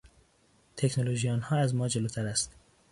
تکنولوژی آنها از ما جلوتر است.